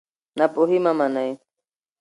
ناپوهي مه منئ.